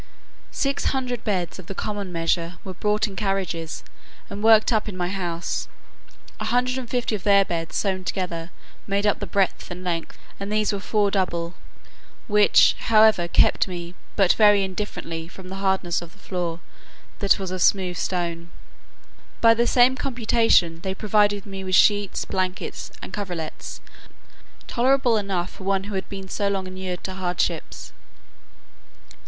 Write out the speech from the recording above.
Six hundred beds of the common measure were brought in carriages, and worked up in my house; a hundred and fifty of their beds, sewn together, made up the breadth and length; and these were four double: which, however, kept me but very indifferently from the hardness of the floor, that was of smooth stone. By the same computation, they provided me with sheets, blankets, and coverlets, tolerable enough for one who had been so long inured to hardships.